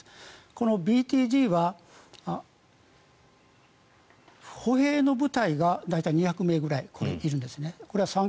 このＢＴＧは歩兵の部隊が大体２００名ぐらいいるんです。